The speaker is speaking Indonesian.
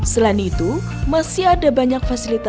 selain itu masih ada banyak fasilitas